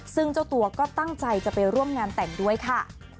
ซึ่งเจ้าตัวก็ตั้งใจจะไปร่วมงานแต่งด้วยค่ะ